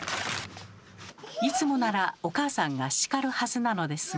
いつもならお母さんが叱るはずなのですが。